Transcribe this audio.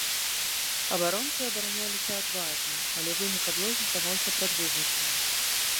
Абаронцы абараняліся адважна, але вынік аблогі здаваўся прадвызначаным.